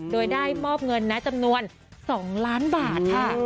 โดยได้มอบเงินนะจำนวน๒ล้านบาทค่ะ